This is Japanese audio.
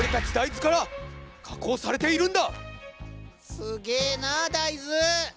すげえな大豆！